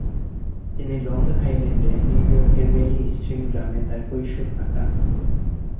তিনি লং আইল্যান্ডে নিউ ইয়র্কের ভ্যালি স্ট্রিম গ্রামে তার কৈশোর কাটান।